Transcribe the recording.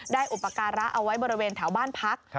ได้อุปกรณ์ราค์เอาไว้บริเวณแถวบ้านพัก